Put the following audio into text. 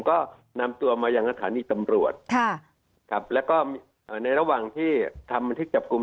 ก็นำตัวมาอย่างอาธารณีตำรวจครับแล้วก็ในระหว่างที่ทำที่จับกลุ่ม